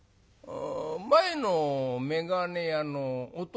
「前の眼鏡屋の弟